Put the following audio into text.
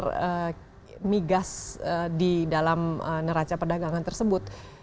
ada yang bisa migas di dalam neraca perdagangan tersebut